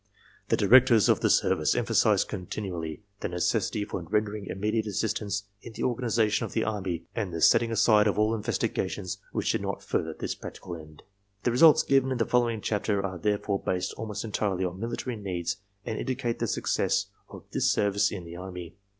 The directors of the service emphasized continually the necessity for rendering immediate assistance in the organization of the Army and the setting aside of all investigations which did' not further this practical end. The results given in the following chapter are therefore based almost entirely on military needs and indicate the success of this service in the Army.